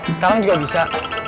sekarang juga bisa